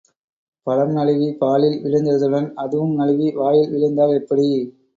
பழம் நழுவி பாலில் விழுந்ததுடன் அதுவும் நழுவி வாயில் விழுந்தால் எப்படி?